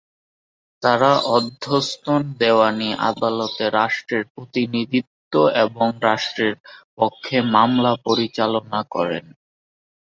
তারা অধস্তন দেওয়ানি আদালতে রাষ্ট্রের প্রতিনিধিত্ব এবং রাষ্ট্রের পক্ষে মামলা পরিচালনা করেন।